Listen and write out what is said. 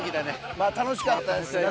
まあ楽しかったですけど。